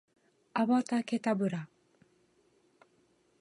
アバタケタブラ